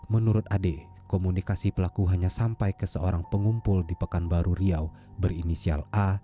menurut ade komunikasi pelaku hanya sampai ke seorang pengumpul di pekanbaru riau berinisial a